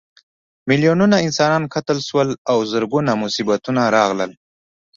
میلیونونه انسانان قتل شول او زرګونه مصیبتونه راغلل.